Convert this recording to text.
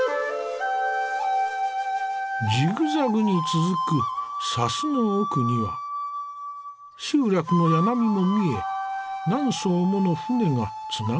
ジグザグに続く砂州の奥には集落の家並みも見え何艘もの舟がつながれている。